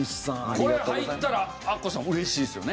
これ入ったらアッコさん嬉しいですよね。